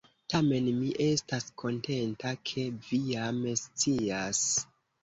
Tamen mi estas kontenta, ke vi jam scias.